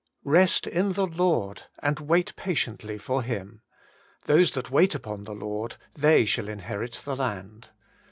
'Beat in the Lord, and wait patiently for Him. Those that wait upon th* Lord, thej shall inherit the land.'